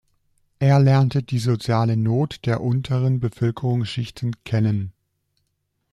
Er lernte die soziale Not der unteren Bevölkerungsschichten kennen.